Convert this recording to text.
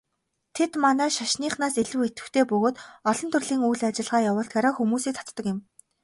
Тэд манай шашныхаас илүү идэвхтэй бөгөөд олон төрлийн үйл ажиллагаа явуулдгаараа хүмүүсийг татдаг юм.